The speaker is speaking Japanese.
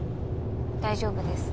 大丈夫です。